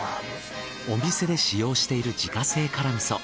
お店で使用している自家製辛味噌。